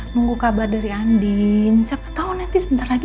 nunggu kabar dari andien siapa tau nanti sebentar aja